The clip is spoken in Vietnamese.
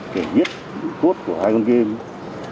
để viết cái cốt của hai con game